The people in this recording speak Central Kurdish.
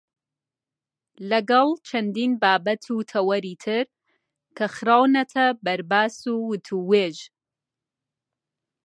لەگەڵ چەندین بابەت و تەوەری تر کە خراونەتە بەرباس و وتووێژ.